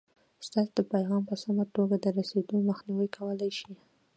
ستاسې د پیغام په سمه توګه د رسېدو مخنیوی کولای شي.